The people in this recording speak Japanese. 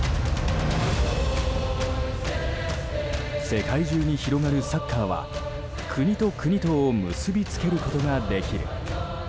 世界中に広がるサッカーは国と国とを結びつけることができる。